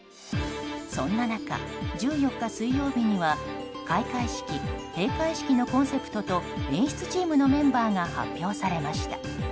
そんな中、１４日水曜日には開会式、閉会式のコンセプトと演出チームのメンバーが発表されました。